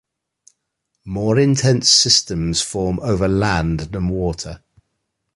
More intense systems form over land than water.